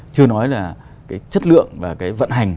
chưa nói là cái chất lượng và cái vận hành